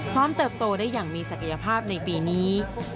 เติบโตได้อย่างมีศักยภาพในปีนี้